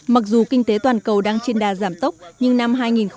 mặc dù kinh tế toàn cầu đang trên đà giảm tốc nhưng năm hai nghìn một mươi